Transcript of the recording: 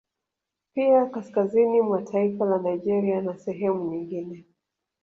Pia kaskazini mwa taifa la Nigeria na sehemu nyigine